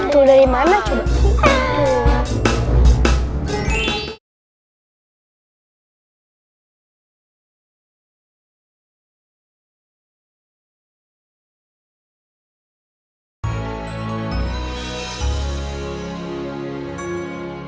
tuh dari mana coba